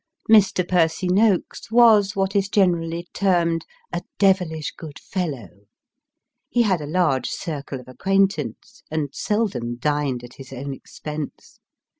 Mr. Percy Noakes was what is generally termed " a devilish good fellow." He had a large circle of acquaintance, and seldom dined at his own expense.